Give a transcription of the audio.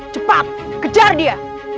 cepat kejar dia